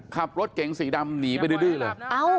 ขับรถเก๋งสีดำหนีไปดื้อเลย